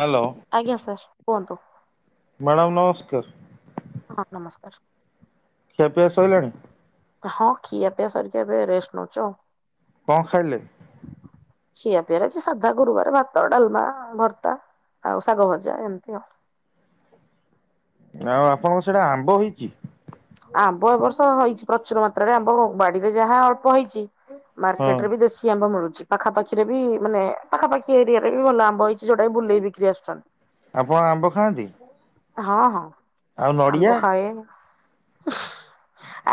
Hello ଆଜ୍ଞା sir. କୁହନ୍ତୁ। Madam ନମସ୍କାର। ହ ନମସ୍କାର। ଖିଆ ପିଆ ସାରିଲାଣି । ହଁ ଖିଆ ପିଇଆ ସରିକି ଏବେ ରେଷ୍ଟ ନଉଛୁ ଆଉ। କ ଖାଇଲେ? ଖିଆ ପିଇରେ କି ସାଧା ଗୁରୁବାର ଭାତ ଡାଲମା ଭର୍ତ୍ତା ଆଉ ଶାଗ ଭଜା ଏମିତି ଆଉ ଆଉ ଆପଣଙ୍କ ସେଇଟା ଆମ୍ବ ହେଇଛି? ଆମ୍ବ ଏବ ବର୍ଷ ହେଇଛି ପ୍ରଚୁର ମାତ୍ରାରେ ଆମ୍ବ ବାଡିରେ ଯାହା ଅଳ୍ପ ହେଇଛି। ହଁ ମାର୍କେଟ ରେ ବି ଦେଶୀ ଆମ୍ବ ମିଳୁଛି। ପାଖାପାଖିରେ ବି ମାନେ ପାଖାପାଖି ଏରିଆରେ ବି ଭଲ ଆମ୍ବ ହେଇଛି ଯଉଟାକି ବି ବୁଲେଇ ବିକି ଆସୁଛନ୍ତି। ଆପଣ ଆମ୍ବ ଖାଆନ୍ତି? ହଁ ଆଉ ହଁ। ନଡ଼ିଆ ଆମ୍ବ ଖାଏ।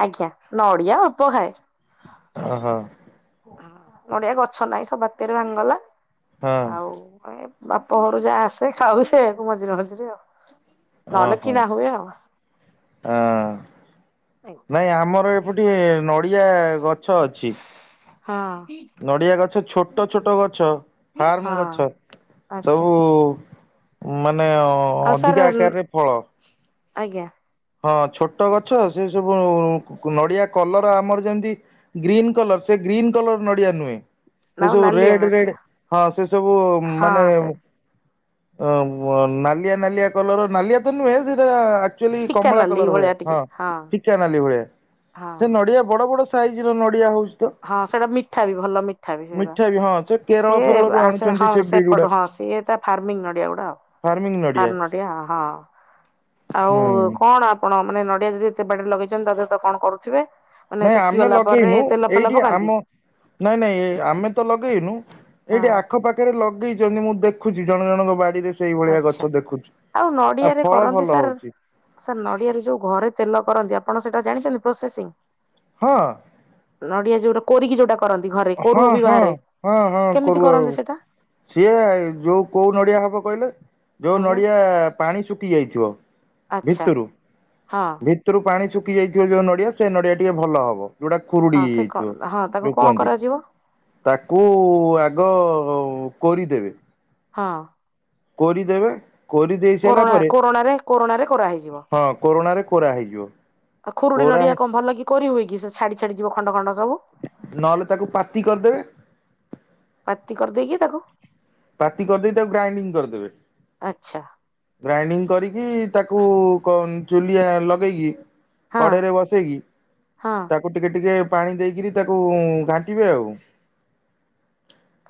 ଆଜ୍ଞା ନଡିଆ ଅଳ୍ପ ଖାଏ। ଓହୋ। ନଡିଆ ଗଛ ନାହିଁ ସବୁ ବାତ୍ୟାରେ ଭାଙ୍ଗି ଗଲା ହଁ ଆଉ ଏ ବାପ ଘରୁ ଯାହା ଆସେ ଖାଉ ସେୟାକୁ ମଝିରେ ମଝିରେ ଆଉ ନହେଲେ ଓହୋ କିଣା ହୁଏ ଆଉ। ହଁ ନାଇଁ ଆମର ଏ ଗୋଟେ ନଡ଼ିଆ ଗଛ ଛଅ ଅଛି। ହଁ। ନଡିଆ ଗଛ ଛୋଟ ଛୋଟ ଗଛ ଫାର୍ମ ହଁ ଗଛ ଆଚ୍ଛା ସବୁ ମ ମାନେ ଆଉ ସାର୍ ଅଧିକା ଆକାରରେ ଫଳ ଆଜ୍ଞା। ହଁ ଛୋଟ ଗଛ ସେ ସବୁ ନଡିଆ କଲର ଆମର ଯେମିତି ଗ୍ରୀନ କଲର ସେ ଗ୍ରୀନ୍ କଲର ନଡିଆ ନୁହେଁ। ସେ ଆଉ ସବୁ ନାଲିଆ ରେଡ ମାଟିଆ ରେଡ ହଁ ସେ ସବୁ ମାନେ ହଁ ସେ ଅ ବ୍ୟ ନାଲିଆ ନାଲିଆ କଲର ନାଲିଆ ତ ନୁହେଁ ସେଟାଆ ଆକଚୁ ଫିକା କମଳା ନାଲି କଲର ଭଳିଆ ହଁ ଟିକେ ଚିକେନାଲି ଭଳିଆ ହଁ ସେ ନଡିଆ ବଡବଡ ସି ସାଇଜର ନଡ଼ିଆ ହଉଛି। ତ। ହଁ ସେଟା ମିଠା ବି ଭଲ ମିଠା ବି ହେରା ବି ହଁ କେରଳ ସେ ଫେରଳରୁ ଆସେ ଆଣୁଛନ୍ତି ହଁ ସେ ବ୍ରିଡ ଗୁଡା ସେପଟୁ ହଁ ସିଏତ ଫାର୍ମଂ ନଡିଆ ଗୁଡା ଆଉ ଫାର୍ମ ନଡିଆ ହଁ ଆଉ ହୁଁ କଣ? କଣ ମାନେ ନଡ଼ିଆ ଯଦି ଏତେ ବାଡ଼ିରେ ଲଗେଇଛନ୍ତି ତା ଦେହେରେ ତ କଣ କରୁିବେ ନାଇଁ ଆମେ ଲଗେଇନୁ ଏଇଠି ପକାନ୍ତି ଆମ ନାଇଁ ନାଇଁ ଏ ଆମେ ତ ଲଗେଇନୁ ହଁ ଏଇଠି ଆଖ ପାଖରେ ଲଗେଇଛନ୍ତି ମୁଁ ଦେଖୁଛି ଜଣ ଜଣଙ୍କ ବାଡିରେ ସେଇଭଳିଆ ଗଛ ଆଚ୍ଛା ଦେଖୁଛି। ଆଉ ନଡିଆରେ ଫଳ କରନ୍ତି ଭଲ ସାର୍ ହଉଛି ସାର୍ ନଡିଆରେ ଯୋଉ ଘରେ ତେଲ କରନ୍ତି ଆପଣ ସେଠା ତ ଜାଣିଛନ୍ତି ପ୍ରସେସିଂ ହଁ ନଡ଼ିଆ ଯୋଉଟା କରିକି ଯଉଟା ହଁ ହଁ ହଁ ହଁ କେମିତି କରୁଅ ଆଉ କରନ୍ତି ସେଟା? ସିଏ ଯୋଉ କୋଉ ନଡିଆ ହବ କହିଲେ ଯୋଉ ଆଜ୍ଞା ନଡିଆ ପାଣି ଶୁଖି ଯାଇଥିବ ଆଚ୍ଛା ଭିତରୁ ହଁ ଭିତରୁ ପାଣି ଶୁଖି ପକି ଯାଇଥିବ ଯୋଉ ନଡ଼ିଆ ସେ ନଡ଼ିଆ ଟିକେ ଭଲ ହବ। ଯୋଉଟା ଖୁରୁଡି ହଁ ସେ କ ହେଇଯାଇଥିବ ହଁ ତାକୁ ଯୋଉ କଣ କୁହନ୍ତି। କରାଯିବ? ତାକୁ ଆଗ କୋରି ଦେବେ ହଁ। କୋରି ଦେବେ କରୋଣା କୋରୋଣାରେ କୋରୋଣାରେ କରାହେଇଯିବ। ହଁ କୋରଣାରେ କୋରା ହେଇଯିବ। ଆଉ ଖୁରୁଡି କୋରା ନଡିଆ କଣ ଭଲ କି କୋଳି ହୁଏ କି ସେ ଛାଡି ଛାଡି ଯିବ ଖଣ୍ଡ ଖଣ୍ଡ ସବୁ ନହେଲେ ତାକୁ ପାତି କରିଦେବେ ପାତି କରିଦେଇକି ତାକୁ ପାତି କରିଦେଇ ତାକୁ ଗ୍ରାଇଡିଙ୍ଗ କରିଦେବେ। ଆଚ୍ଛା ଗ୍ରାଇଣ୍ଡିଙ୍ଗ କରିକି ତାକୁ କଣ ଚୁଲିଆ ଲଗେଇକି। ହଁ କଡେଇରେ ବସେଇକି ହଁ ତାକୁ ଟିକେ ଟିକେ ପାଣି ଦେଇକରି ତାକୁ ଘାଣ୍ଟିବେ ଆଉ।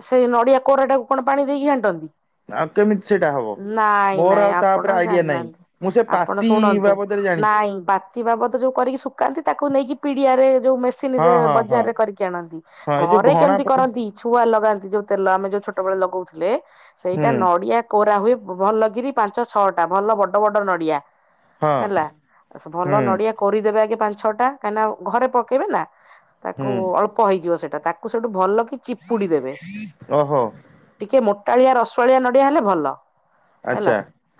ସେଇ ନଡ଼ିଆ କୋରାଟାକୁ କଣ ପାଣି ଦେଇକି ଘାଣ୍ଟନ୍ତି? ଆଉ କେମିତି ସେଇଟା ହବ? ନାଇଁ ମୋର ନାଇଁ ଆଉ ତା ଆପଣ ଉପରେ ଆଇଡିଆ ନାହିଁ ଜାଣିନାହାନ୍ତି, ମୁଁ ସେ ଆପଣ ପାତି ଶୁଣନ୍ତୁ, ବାବଦରେ ଜାଣିଛି। ନାଇଁ ପାତି ବାବଦ ଯୋଉ କରିକି ଶୁଖାନ୍ତି ତାକୁ ନେଇକି ପିଡିଆରେ ଯୋଉ ମେସିନ ରେ ହଁ ହଁ ହଁ ବଜାରରେ କରିକି ଆଣନ୍ତି, ହଁ ଏଇ ଯୋଉ ଘରେ ଘଣା କେମିତି ପକେଇ କରନ୍ତି, ଛୁ ଲଗାନ୍ତି ଯଉ ତେଲ, ଆମେ ଯୋଉ ଛୋଟ ବେଳେ ଲଗଉଥିଲେ। ସେଇଟା ହୁଁ ନଡିଆ କୋରା ହୁଏ। ଭଲକିରି ପାଞ୍ଚ ଛଅଟା ଭଲ ବଡ ବଡ ନଡିଆ। ହଁ ହେଲା, ଭଲ ହୁଁ ନଡିଆ କୋରିଦେବେ ଆଗେ ପାଞ୍ଚ ଛଅ ଟା କାହିଁକିନା ଘରେ ପକେଇବେ ନା। ହୁଁ ତାକୁ ଅଳ୍ପ ହେଇଯିବ ସେ ତାକୁ ସେଇଠୁ ଭଲ କି ପୁଡ଼ି ଦେବେ, ଓହୋ ଟିକେ ମୋ ଳିଆ ରସୁଆଳିଆ ନଡ଼ିଆ ହେଲେ ଭଲ। ହେଲା ଆଚ୍ଛା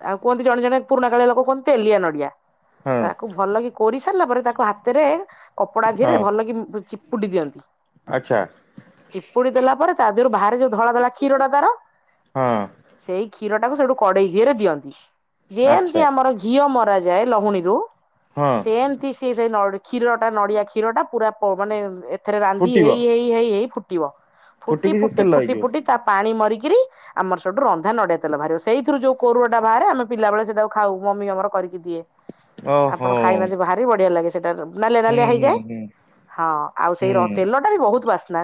ଆଉ କୁହନ୍ତି ଜଣେଜଣେ ପୁରୁଣାାକାଳୀଆ ଲୋକେ କୁହନ୍ତି ତେଲିଆ ନଡିଆ। ହଁ ତାକୁ ଭଲକି କୋରି ସାରିଲା ପରେ ତାକୁ ହାତରେ କପଡା ହଁ ଧିରେ ଭଲ କି ଚି ପୁଡିି ଦିଅନ୍ତି। ଆଚ୍ଛା। ପୁଡ଼ି ଦେଲା ପରେ ତା ଦେହରୁ ବାହାରେ ଯୋଉ ଧଳା ଧଳା କ୍ଷୀର ଟା ତାର। ହଁ ସେଇ ଖି କ୍ଷୀରଟାକୁ ସେଠୁ କଡେଇ ଦିହେରେ ଦିଅନ୍ତି। ଯେମତି ଆଚ୍ଛା ଆମର ଘିଅ ମର କରାଯାଏ ଲହୁଣୀରୁୁ। ହଁ ସେମତି ସେ ସେଇ ନଡିି କ୍ଷୀର ଟା ନଡିଆ କ୍ଷୀର ଟା ପୁରା ପ ମାନେ ଏତ ଏଥରେ ରାନ୍ଧି ଫୁଟିବ ହେଇ ହେଇ ହେଇ ହେଇ ଫୁ ଟିବ। ଫୁଟି ଫୁଟିକି ସେ ଫୁଟି ତେଲ ଫୁଟି ହେଇଯିବ ଫୁଟି ତା ପାଣି ମରିକି ଆମର ସଠୁ ରନ୍ଧା ନଡିଆ ତେଲ ବାହାରିବ, ସେଇଥିରୁ ଯୋଉ କୋରୁଅ ଟା ବାହାରେ ଆମେ ପିଲାବେଳେ ସେଇଟାକୁ ଖାଉ, ମମି ଆମର କରିକି ଦିଏ। ଆପଣ ଓହୋ। ଖାଇନାହାନ୍ତି ଭାରି ବଢିଆ ଲାଗେ। ସେଟା, ରମ- ନାଲିଆ, ହୁଁ ନାଲିଆ ହୁଁ ହେଇଯାଏ ୲ ହୁଁ ହଁ, ଆଉ ସେଇ ର, ହୁଁ ତେଲଟା ବି ବହୁତ ବାସେ। ନାଇଁ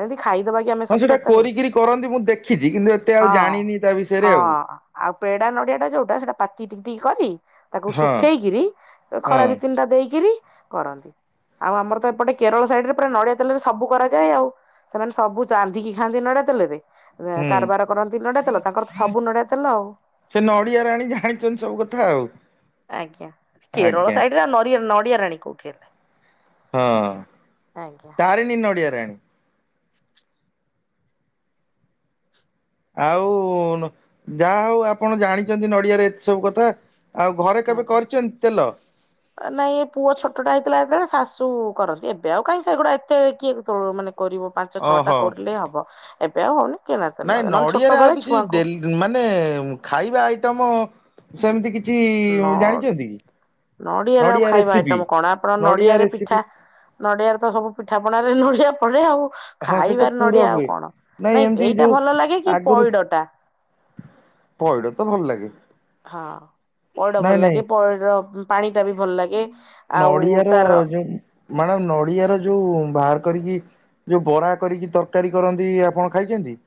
ହଁ, ସେଇଟା କୋରିକିରି କରନ୍ତି, ମୁଁ ଦେଖିଛି ୲କିନ୍ତୁ, ଏତେ ଆଉ ଜାଣିନି, ତା ବିଷୟରେ ଆଉ। ପେଡ଼ା, ନଡ଼ିଆ ଟା ଯୋଉଟା, ସେଇଟା ପାତି, ଟିକି, ଟିକି କରି ତାକୁ, ହଁ ଶୁଖେଇ କିରି, ଖରା ହଁ ଦି, ତିନିଟା ଦେଇକିରି- କରନ୍ତି, ଆଉ ଆମର ତ, ଏପଟେ କେରଳ ସାଇଟ୍ ରେ, ପୁରା ନଡିଆ ତେଲରେ ସବୁ କରାଯାଏ, ଆଉ। ସେମାନେ, ସବୁ ଚାନ୍ଦିକି ଖାନ୍ତି ୲ ନଡ଼ିଆ, ତେଲ ରେ- ହୁଁ କାର, ବାର କରନ୍ତି ନଡିଆ ତେଲ, ତାଙ୍କର ତ ସବୁ ନଡିଆ ତେଲ, ସେ ନଡିଆ ରାଣୀ ଜାଣିଛନ୍ତି ସବୁ କଥା ଆଉ। ଆଜ୍ଞା ୲ କେରଳ, ଆଜ୍ଞା ସାଇଡ ରେ ନଡ଼ିଆ, ନଡିଆ ରାଣୀ କୋଉ। କିିଲ। ହଁ, ତାରିଣି ନଡିଆ। ଣି ଆଉ, ଯାହା ହଉ ଆପଣ ଜାଣିଛନ୍ତି ୲ ନଡିଆରେ, ଏତେ ସବୁ କଥା। ଆଉ ଘରେ କେବେ କରିଛନ୍ତି ତେଲ? ନାଇଁ, ଏ ପୁଅ ଛୋଟ ଟା, ହେଇଥିଲା, ଯେତେବେଳେ ଶାଶୁ କରନ୍ତି ୲ ଏବେ ଆଉ, କାହିଁ ସେଗୁଡା, ଏତେ କିଏ ମାନେ କରିବ, ପାଞ୍ଚ, ଛଅ ଟା ଓହୋ କରିଲେ ହବ। ଏବେ, ଆଉ ହଉନି । ନାଇଁ, ନଡିଆରେ ଆଉ କିଛି ଡେଲି, ମାନେ ଖାଇବା ଆଇ ତମ, ସେମିତି କି କିଛି ନ, ଜାଣିଛନ୍ତି ନଡିଆରେ ଆଉ ନଡିଆ ଖାଇବା, ରେସିପି ଆଇଟମ୍ କଣ, ଆପଣ ନଡିଆ ନଡିଆରେ ରେସିପି ପିଠା, ନଡିଆରେ ତ ସବୁ ପିଠା, ପଣାରେ ନଡିଆ ପଳେ, ଆଉ ହଁ, ସେ ତ ଖାଇବାରେ ପୁର ନଡିଆ ଆଉ ହୁଏ କଣ ୲ ନାଇଁ, ଏମିତି ଏଇଟା ଯୋଉ ଭଲ ଲାଗେ କି ଆଗରୁ। ପଇଡଟା ପଇଡ, ତ ଭଲ ଲାଗେ। ହଁ, ପଇଡ ନାଇଁ ଭଲ ନାଇଁ ଲାଗେ । ପଇଡ ପାଣି, ଟା ବି ଭଲ, ଲାଗେ। ଆଉ ନଡିଆର ତାର ଯୋଉ, ମାନେ ନଡ଼ି ଆର, ଯୋଉ ବାହାର କରିକି, ଯୋଉ ବରା କରିକି ତରକାରୀ, କରନ୍ତି ଆପଣ ଖାଇଛନ୍ତି?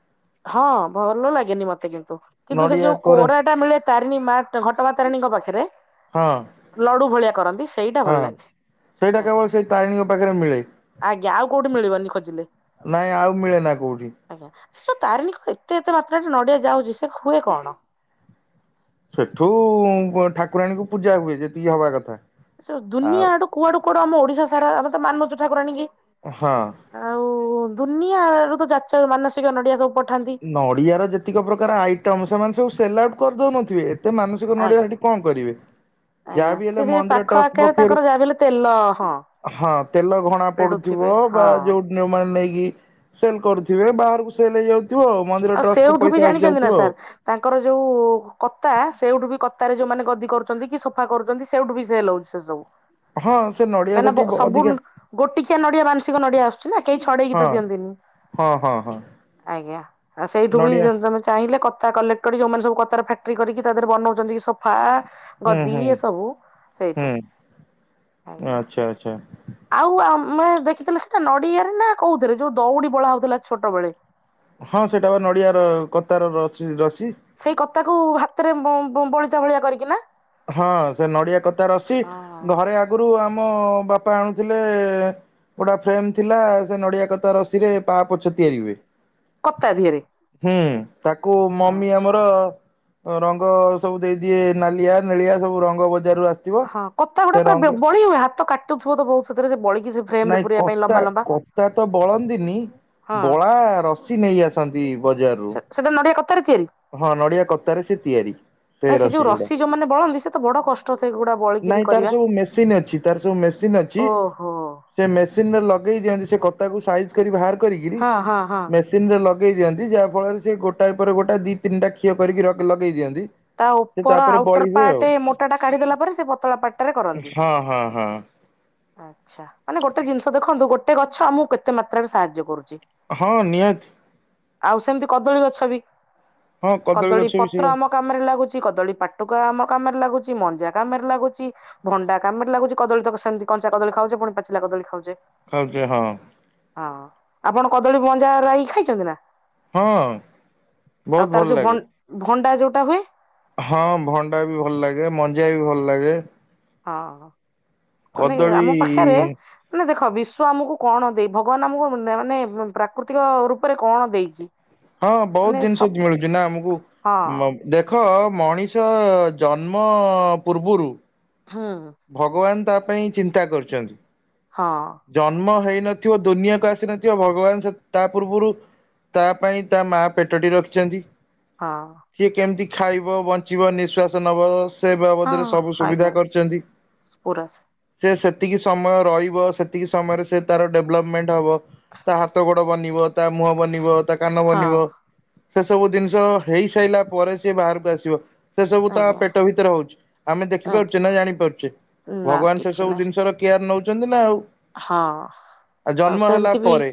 ହଁ, ଭଲ ଲାଗେନି ମତେ କିନ୍ତୁ, କିନ୍ତୁ ସେ ନଡିଆ ଯୋଉ କୋରା କୋରାଟା ମିଳେ, ତାରିଣୀ ମା, ଘଟଗାଁ ତାରିଣୀଙ୍କ ପାଖରେ- ହଁ ଲଡୁ, ଭଳିଆ କରନ୍ତି- ସେଇଟା ହଁ, ଭଲ ଲାଗେ ସେଇଟା ଆଜ୍ଞା କେବଳ, ସେଇ ତାରିଣୀ ଙ୍କ ପାଖରେ, ମିଳେ ୲ ଆଜ୍ଞା, ଆଉ କୋଉଠି, ମିଳିବନି ଖୋଜିଲେ, ନାଇଁ ଆଉ ମିଳେ ନା କୋଉଠି ଆଜ୍ଞା । ସେଟା, ତାରିଣୀ କୁ ଏତେ, ଏତେ ମାତ୍ରାରେ ନଡିଆ ଯାଉଛି, ସେ ହୁଏ କଣ? ସେଠୁ, ବ ଠାକୁରାଣୀଙ୍କୁ ପୂଜା ହୁଏ, ଯେତିକି ହବା କଥା । ଦୁନିଆଡୁ କୁଆଡୁ କୁଆଡୁ ଆମ ଓଡିଶା ସାରା, ଆମେ ତ ମାନୁଛୁ ଠାକୁରାଣୀ କି? ହଁ ଆଉ ଦୁନିଆ ରୁ ଲୋକ ଚାଚକା ମାନସିକ ନଡିଆ ସବୁ ପଠାନ୍ତି ନଡିଆର ଯେତିକ ପ୍ରକାର ଆଇଟମ, ସେମାନେ ସବୁ ସେଲାକ କରିଦଉନଥିବେ ଏତେ ମାନସିକ ନଡ଼ିଆ ଆଜ୍ଞା। ସେଠି କଣ କରିବେ, ଆଜ୍ଞା ଯାହା ବିି ସେ ହେଲେ ସେ ମନ୍ଦିର ପାଖ ଟ୍ରଷ୍ଟ ଆଖରେ ପକ୍ଷରୁ, ତାଙ୍କର ଯାହାବି ହେଲେ ତେଲ ହଁ ହଁ, ତେଲ ଘଣା ପେଡୁଥିବେ ପଡୁଥିବ, ବା ହଁ। ଯୋଉମାନେ ନେଇକି ସେଲ କରୁଥିବେ, ବାହାରକୁ ସେଲ୍ ହେଇ ଯାଉ ଆଉ, ସେଉଠୁ ବି ଜାଣିଛନ୍ତି ନା ସାର୍, ତାଙ୍କର ଯୋଉ କତା, ସେଇଠୁ ବି କ କତା ରେ ଯୋଉମାନେ ଗଦି କରୁଛନ୍ତି କି, ସୋଫା କରୁଛନ୍ତି, ସେଇଠୁ ବି ସେଲ ହଉଛି, ସେ ସବୁ । ହଁ ସେ ନଡିଆ ତା ସେଠି ମାନେ ସବୁ ଅଧିକା ଗୋଟିକିଆ ନଡିଆ, ମାନସିକ ନଡିଆ, ଆସୁଛି ନା, କେହି ଛଡେଇକି ତ ହଁ ଦିଅନ୍ତିନି, ହଁ ହଁ ହଁ ଆଜ୍ଞା । ସେଇଠୁ ବି ନଡିଆ ଯଦି ତମେ ଚାହିଁଲେ କ କତା କଲେକ୍ଟ କରି ଯୋଉମାନେ ସବୁ କତାର ଫ୍ୟାକ୍ଟ୍ରି କରିକି ତା ଦେରେ ବନାଉଛନ୍ତି ସୋଫା ହୁଁ ଗଦି ହୁଁ ଏସବୁ ସେଇଠୁ ହୁଁ ଆଜ୍ଞା। ଆଚ୍ଛା ଆଚ୍ଛା ଆଉ ଆମେ ଦେଖିଥିଲେ ସେଟା ନଡ଼ିଆରେ ନା କୋଉଥିରେ ଯୋଉ ଦଉଡି ବଳା ହଉଥିଲା ଛୋଟ ବେଳେ। ହଁ ସେଇଟା ବା ନଡ଼ିଆର କତାର ରସି ରସି। ସେଇ କତା ତାକୁ ହାତରେ ବ-ବ-ବଳିତା ଭଳିଆ କରିକିନା। ହଁ ସେ ନଡିଆକତା ରସି ହଁ ଘରେ ଆଗରୁ ଆ ଆମ ବାପା ଆଣୁଥିଲେ ଗୋଟେ ଫ୍ରେମ ଥିଲା, ସେ ନଡ଼ିଆକତା ରସିରେ ପାପୋଛ ତିଆରି ହୁଏ। କତା ଦିହରେ ହୁଁ ତାକୁ ମମି ଆଚ୍ଛା। ଆମର ରଙ୍ଗସବୁ ଦେଇଦିଏ ନାଲିଆ ନେଳିଆ ସବୁ ରଙ୍ଗ ବ ହଁ କତାଗୁଡା ପୁରା ବ-ବଳି ହୁଏ। ହାତ କାଟି [unintelligible] ବହୁତ ସେଥିରେ ସେ ବଳି। ନାଇଁ କତା କତା ତ ବଳନ୍ତିନି ହଁ ବଳା ରସି ନେଇଆସନ୍ତି ବଜାରରୁ। କତା ରେ ତିଆରି? ହଁ ନଡିଆ କତାରେ ସେ ତିଆରି। ଭାଇ ସେ ଯୋଉ ଗୁଡା ରସି ଯୋଉମାନେ ବଳନ୍ତି ସେ ତ ବଡ କଷ୍ଟ। ସେଗୁଡା ବଳିକିରି ନାଇଁ ତାର କରିବା ସବୁ ମେସିନ ଅଛି ତାର ସବୁ ମେସିନ ଅଛି ଓହୋ। ସେ ମେସିନରେ ଲଗେଇ ଦିଅନ୍ତି ସେ କତାକୁ ସାଇଜ କରି ବାହାର କରିକିରି ହଁ ହଁ ହଁ ମେସିନରେ ଲଗା ଦେଇ ଦିଅନ୍ତି, ଯାହା ଫଳରେ ଯେ ଗୋଟାଏ ପରେ ଗୋଟା ଦି ତାଖିଅ କରିକି ଲଗେଇ ଦିଅନ୍ତି। ତା ସେ ଉପର ତାପରେ ବଳି ଆଉଟର ହୁଏ ଆଉ ପାର୍ଟ ମୋଟା ଟା କାଢିଦଲା ପରେ ସେ ପତଳା ପାର୍ଟ ହଁ ହଁ ହଁ। ଆଚ୍ଛା, ମାନେ ଗୋଟେ ଜିନିଷ ଦେଖନ୍ତୁ, ଗୋଟେ ଗଛ ଆମକୁ କେତେ ମାତ୍ରାରେ ସାହାଯ୍ୟ କରୁଛି। ହଁ, ନିହାତି। ଆଉ ସେମିତି କଦଳୀ ଗଛ ବି। ହଁ କଦଳୀ ଗଛ ବି ସେଇଆ ପତ୍ର ଆମ କାମରେ ଲାଗୁଛି, କଦଳୀ ପାଟୁକା ଆମ କାମରେ ଲାଗୁଛି, ମଞ୍ଜା କାମରେ ଲାଗୁଛି, ଭଣ୍ଡା କାମରେ ଲାଗୁଛି, କଦଳୀତକ ସେମିତି କଞ୍ଚା କଦଳ ଖାଉଚେ, ପୁଣି ପାଚିଲା କଦଳୀ ଖାଉଚେ। ଖଉଚେ ହଁ । ହଁ, ଆପଣ କଦଳୀ ମଞ୍ଜା ରାଇ ଖାଇଛନ୍ତି ନା? ହଁ, ବହୁତ ଭଲ ଲାଗେ। ଟା ହୁଏ । ହଁ ଭଣ୍ଡା ବି ଭଲ ଲାଗେ, ମଞ୍ଜିଆ ବି ଭଲ ଲାଗେ। ହଁ। ମାନେ କଦଳୀ ଆମ ପାଖରେ ମାନେ ଦେଖ ବିଶ୍ବ ଆମକୁ କଣ ଦେଇ, ଭଗବାନ ଆମକୁ ମାନେ ପ୍ରାକୃତିକ ରୂପରେ କଣ ଦେଇଛି? ହଁ ବହୁତ ମାନେ ଜିନିଷ ସବୁ ମିଳୁଛି ନା ଆମକୁ ମ ହଁ ଦେଖ ମଣିଷ ଜନ୍ମ ପୂର୍ବରୁ ହୁଁ ଭଗବାନ ତା ପାଇଁ ଚିନ୍ତା କରିଛନ୍ତି। ହଁ ଜନ୍ମ ହେଇ ନଥିବ ଦୁନିଆକୁ ଆସି ନଥିବ ଭଗବାନ ତା ପୂର୍ବରୁ ତା ପାଇଁ ତା ମା ପେଟଟି ରଖିଛନ୍ତି ହଁ ସିଏ କେମିତି ଖାଇବ, ବଞ୍ଚିବ, ନିଶ୍ୱାସ ନେବ ସ ସେ ବାବଦରେ ସବୁ ସୁବିଧା କରିଛନ୍ତି। ସ୍ପୁରସ। ସେ ସେତିକି ସମୟ ରହିବ ସେତିକି ସମୟରେ ସେ ତାର ଡେଭଲପମେଣ୍ଟ ହେବ ତା ହାତ ଗୋଡ ବନିବ। ତା ମୁହଁ ବନିବ। ତା କାନ ହଁ ବନିବ। ସେ ସବୁ ଜିନିଷ ହେଇ ସାରିଲା ପରେ ସେ ବାହାରକୁ ଆସିବ। ସେ ସବୁ ତା ଆଜ୍ଞା ପେଟ ଭିତରେ ହଉଛି, ଆମେ ଆଜ୍ଞା ଦେଖିପାରୁଛେ ନା ଜାଣିପାରୁଛେ? ନା ଭଗବାନ ସେ କିଛି ସବୁ ନାହିଁ। ଜିନିଷର କିଏ ନେଉଛନ୍ତି ନା ଆଉ। ହଁ ଆ ଆଉ ଜନ୍ମ ହେଲା ସେମିତି ବି ପରେ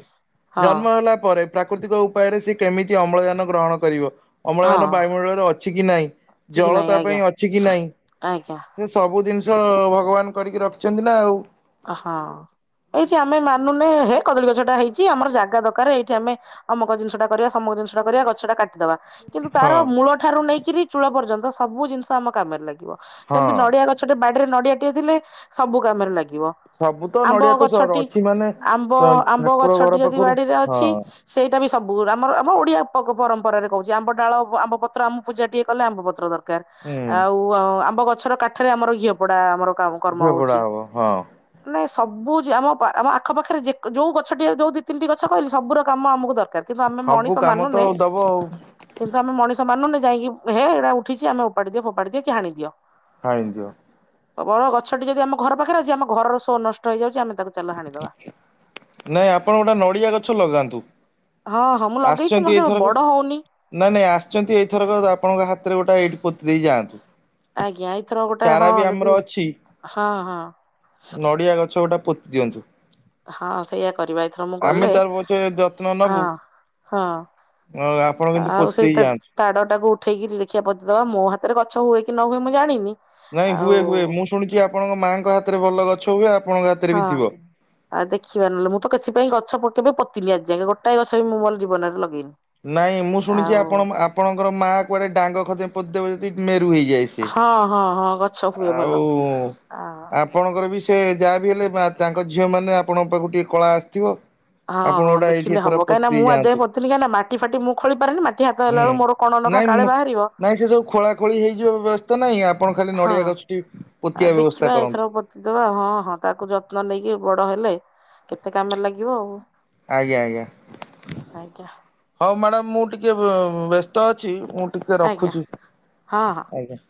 ହଁ ଜନ୍ମ ହେଲା ପରେ ପ୍ରାକୃତିକ ଉପାୟରେ ସେ କେମିତି ଅମ୍ଳଜାନ ଗ୍ରହଣ କରିବ ହଁ ଅମ୍ଳଜାନ ବାୟୁମଣ୍ଡଳରେ ଅଛି କି ନାହିଁ ଅଛି କି ଜଳ ନାଇଁ ତା ପାଇଁ ଆଜ୍ଞା ଅଛି କି ନାହିଁ ଆଜ୍ଞା ସେ ସବୁ ଜିନିଷ ଭଗବାନ କରିକି ରଖିଛନ୍ତି ନା ଆଉ। ହଁ ଏଇଠି ଆମେ ମାନୁନେ ହେ କଦଳୀ ଗଛ ଟା ହେଇଛି ଆମର ଜାଗା ଦରକାର ଏଇଠି ଆମେ ଅମୁକ ଜିନିଷ ଟା କରିବା ସମକ ଜିନିଷଟା କରିବା ଗଛଟା କାଟିଦବା। କିନ୍ତୁ ହଁ ତାର ମୂଳଠାରୁ ନେଇକି କିରି ଚୂଳ ପର୍ଯ୍ୟନ୍ତ ସବୁ ଜିନିଷ ଆମ କାମରେ ଲାଗିବ। ସେମିତି ହଁ। ନଡିଆ ଗଛଟେ ବାଡି ରେ ନଡିଆଟିଏ ଥିଲେ ସବୁ କାମରେ ଲାଗିବ। ସବୁ ତ ଆମ୍ବ ନଡିଆ ତ ସହର ଗଛଟି ଅଛି ମାନେ ଆମ୍ବ ତ ଆମ୍ବ ଠାକୁର ଘର ଗଛଟି ଯଦି ପାଖରୁ ବାଡିରେ ହଁ ଅଛି ସେଇଟା ବି ସବୁ ଆମର ଆମ ଓଡ଼ିଆ ପରମ୍ପରାରେ କହୁଛି ଆମ୍ବ ଡାଳ ଆମ୍ବପତ୍ର ଆମ ପୂଜାଟିଏ କଲେ ଆମ୍ବପତ୍ର ଦରକାର କାର ହୁଁ ଆଉ ଆମ୍ ବ ଗଛର କାଠରେ ଆମର ଘିଅ ପୋଡା ଆମର ଘିଅ ପୋଡ଼ା ହବ ହଁ। ଏ ସବୁ ଯେ ଆମ ଆମ ଆଖପାଖରେ ଯେ ଯୋଉ ଗଛଟିଏ ଯୋଉ ଦି ତିନିଟି ଗଛ କହିଲେ ସବୁର କାମ ଆମୁକୁ ଦରକାର। କିନ୍ତୁ ଆମେ ସବୁ ମଣିଷ କାମ ତ ମାନୁନେ ଦବ ଆଉ କିନ୍ତୁ ଆମେ ମଣି ଷ ମାନୁନେ ଯାଇକି ହେ ହେଟା ଉଠିଚି ଆମେ ଓପାଡି ଦିଅ ଫୋପାଡ଼ି ଦିଅ କି ହାଣି ଦିଅ। ହାଣିଦିଅ। ଅ ବର ଗଛଟି ଯଦି ଆମ ଘର ପାଖରେ ଅଛି ଆମ ଘରର ଶୋ ନଷ୍ଟ ହେଇଯାଉଚି ଆମେ ତାକୁ ଚାଲ ହାଣି ଦବା। ନାଇଁ ଆପଣ ଗୋଟେ ନଡ଼ିଆ ଗଛ ଲଗାନ୍ତୁ। ହଁ ହଁ ମୁଁ ଲଗେଇଛି ମୋର ଆସଚନ୍ତି ସେ ଏଇଥରକ ବଡ ହଉନି ନାଁ ନାଇଁ ଆସିଚନ୍ତି ଏଇଥରକ ଆପଣଙ୍କ ହା ତିରେ ଗୋଟେ ଏଇଟି ପୋତି ଦେଇକି ଯାନ୍ତୁ। ଆଜ୍ଞା ଏଇଥର ଗୋଟେ ହଁ ଆମର ଯଦି ଅଛି ହଁ ହଁ। ନଡିଆ ଗଛ ଗୋଟେ ପୋତି ଦିଅନ୍ତୁ। ହଁ ସେଇଆ କରିବା ଏଥର ମୁଁ ଆମେ ଗଲେ ତାର ପଛେ ଯତ୍ନ ହଁ ନବୁ ହଁ ଆପଣ କିନ୍ତୁ ଆଉ ପୋତି ସେଇ ଦେଇ ତା ଯାଆନ୍ତୁ। ତାଡଟାକୁ ଉଠେଇକିରି ଦେଖିବା ପୋତିଦବା ମୋ ହା ତାରେ ଗଛ ହୁଏ କି ନ ହୁଏ ମୁଁ ଜାଣିନି। ନାଇଁ ଆଉ ହୁଏ ହୁଏ ମୁଁ ଶୁଣିଚି ଆପଣଙ୍କ ମାଆଙ୍କ ହାତରେ ଭଲ ଗଛ ମୁଁ ବି ଆ ହଁ ଆଉ ଦେଖିବା ନଲେ ମୁଁ ତ କିଛି ପାଇଁ ଗଛ ପ କେବେ ପ ତିନି ଆଜି ଯାଙ୍କେ ଗୋଟାଏ ଗଛ ବି ମୁଁ ମୋର ଜୀବନରେ ଲଗେଇନି। ନାଇଁ ମୁଁ ଶୁଣିଚି ଆଉ ଆପଣ ମ ଆପଣଙ୍କର ମାଆ କୁଆଡ଼େ ଡାଙ୍ଗ ଖଣ୍ଡେ ପୋତିଦେବେ ବିତ୍ ମେ ହଁ ହଁ ହଁ। ଗଛ ହୁଏ ଆଉ ଭଲ ଆ ଆପଣଙ୍କର ବି ସେ ଯାହା ବିି ହେଲେ ମା ତାଙ୍କ ଝିଅ ମାନେ ଆପଣଙ୍କ ପାଖୁକୁ ଟିକେ କଳା ଆସିଥିବ। ହଁ ଆପଣ ହଁ ଗୋଟା ଏଇଠି ଦେଖିଲେ ଏଥର ହବ କାହିଁ ନାଁ ପୋତି ମୁଁ ଆଜି ଯାଆନ୍ତୁ ଯାଏ ପୋତିଥିଲି କାହିଁ ନାଁ ମାଟି ଫାଟି ମୁଁ ଖୋଳି ପାରେନି ମାଟି ହାତ ହେଲା ହୁଁ ଅଳୁ ମୋର କଣ ନଖା ନାଇଁ କାଳେ ମୁଁ ବାହାରିବ ନାଇଁ ପଣ ଖାଲି ନ ହଁ ଆ ଦେଖିବା ଏଥରକ ପୋତିଦବା ହଁ ହଁ ତାକୁ ଯତ୍ନ ନେଇକି ବ ରହେଲେ କେତେ କାମରେ ଲାଗିବ ଆଉ। ଆଜ୍ଞା ଆଜ୍ଞା ଆଜ୍ଞା ହଉ ମ୍ୟାଡାମ ମୁଁ ଟି ଟିକେ ବ ବ୍ୟସ୍ତ ଅଛି ମୁଁ ଟିକେ ଆଜ୍ଞା ରଖୁଛି ହଁ ହଁ। ଆଜ୍ଞା।